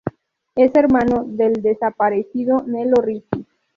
Es hermano del desaparecido Nelo Risi.